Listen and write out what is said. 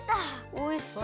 おいしそう。